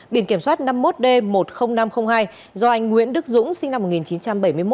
biển kiểm soát năm mươi một d một mươi nghìn năm trăm linh hai do anh nguyễn đức dũng sinh năm một nghìn chín trăm bảy mươi một